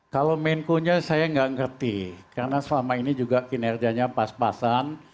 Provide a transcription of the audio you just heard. kalau menko nya saya nggak ngerti karena selama ini juga kinerjanya pas pasan